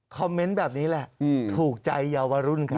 คอมเมนต์แบบนี้แหละถูกใจเยาวรุ่นครับ